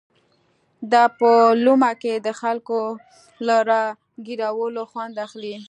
دا په لومه کې د خلکو له را ګيرولو خوند اخلي.